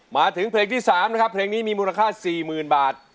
มาถึงเพลงที่๓นะครับเพลงนี้มีมูลค่า๔๐๐๐บาท